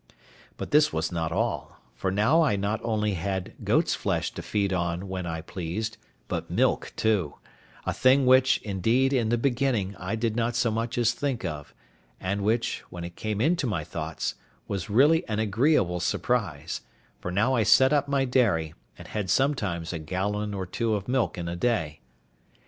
But this was not all; for now I not only had goat's flesh to feed on when I pleased, but milk too—a thing which, indeed, in the beginning, I did not so much as think of, and which, when it came into my thoughts, was really an agreeable surprise, for now I set up my dairy, and had sometimes a gallon or two of milk in a day.